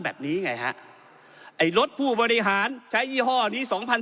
แบบนี้ไงฮะไอ้รถผู้บริหารใช้ยี่ห้อนี้สองพัน